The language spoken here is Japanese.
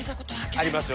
ありますよ。